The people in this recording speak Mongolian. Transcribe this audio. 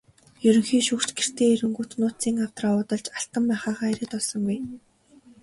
Ерөнхий шүүгч гэртээ ирэнгүүт нууцын авдраа уудалж алтан маахайгаа эрээд олсонгүй.